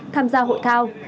tham gia hội thao